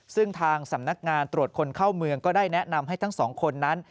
ซึ่งทางสำนักงานตรวจคนเข้าเมืองก็ได้แนะนำให้ทั้งสองคนนั้น